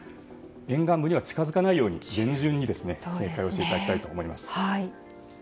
沿岸部には近づかないように厳重に警戒をしていただきたいと思います。